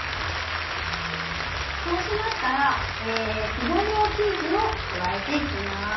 そうしましたらピザ用チーズを加えていきます。